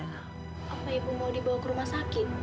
apa ibu mau dibawa ke rumah sakit